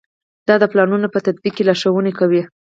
دا د پلانونو په تطبیق کې لارښوونې کوي.